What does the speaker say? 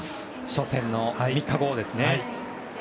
初戦の３日後ですね。